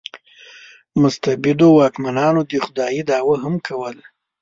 مستبدو واکمنانو د خدایي دعوا هم کوله.